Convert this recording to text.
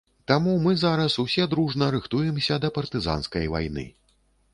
Таму мы зараз усе дружна рыхтуемся да партызанскай вайны.